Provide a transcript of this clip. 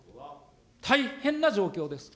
大変な状況です。